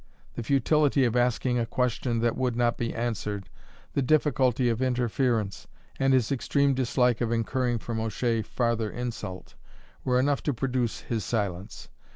The futility of asking a question that would not be answered, the difficulty of interference, and his extreme dislike of incurring from O'Shea farther insult, were enough to produce his silence.